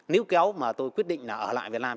nếu kéo mà tôi quyết định là ở lại việt nam